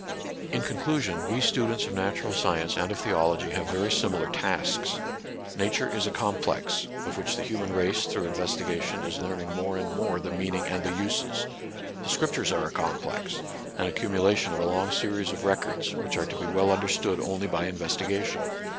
In conclusion, we students of natural science and of theology have very similar tasks. Na ture is a complex, of which the human race through investigation is learning more and more the meaning and the uses. The Scriptures ,are a complex, an accumulation of a long series of records, which are to be well understood only by investigation.